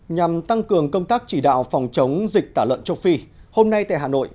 nhằm tăng cường công tác chỉ đạo phòng chống dịch tả lợn châu phi hôm nay tại hà nội